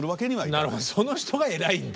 なるほどその人が偉いんだ。